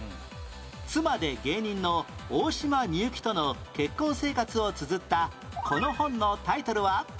妻で芸人の大島美幸との結婚生活をつづったこの本のタイトルは？